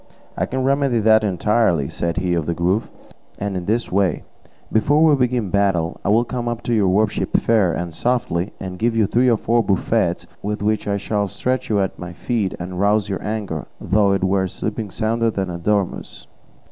"I can remedy that entirely," said he of the Grove, "and in this way: before we begin the battle, I will come up to your worship fair and softly, and give you three or four buffets, with which I shall stretch you at my feet and rouse your anger, though it were sleeping sounder than a dormouse."